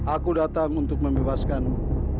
aku datang untuk membebaskanmu